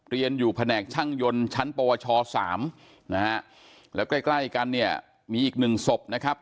เรียนอยู่แผนกช่างยนต์ชั้นปวชสามนะฮะแล้วใกล้ใกล้กันเนี่ยมีอีกหนึ่งศพนะครับ